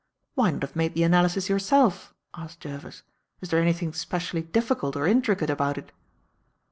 "Why not have made the analysis yourself?" asked Jervis. "Is there anything specially difficult or intricate about it?"